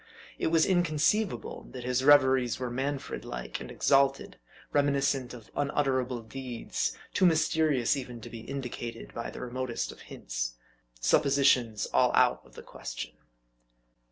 It was inconceivable, that his reveries were Manfred like and exalted, reminiscent of unutterable deeds, toe mysterious even to be indicated by the remotest of hints. Suppositions all out of the question.